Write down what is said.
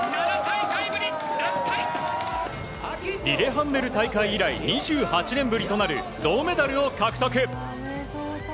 リレハンメル大会以来２８年ぶりとなる銅メダルを獲得。